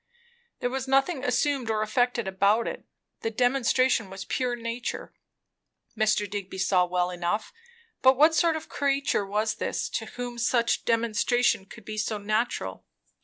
There was nothing assumed or affected about it; the demonstration was pure nature, Mr. Digby saw well enough; but what sort of a creature was this, to whom such a demonstration could be natural?